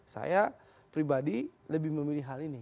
saya pribadi lebih memilih hal ini